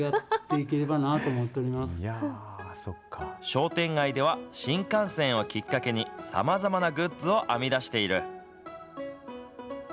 商店街では新幹線をきっかけに、さまざまなグッズを編み出している。